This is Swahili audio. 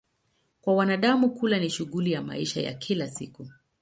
Kwa wanadamu, kula ni shughuli ya maisha ya kila siku.